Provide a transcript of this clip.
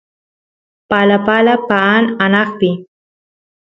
palapala paan anaqpi